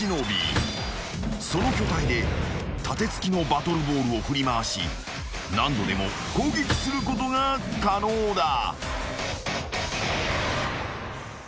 ［その巨体で盾付きのバトルボールを振り回し何度でも攻撃することが可能だ］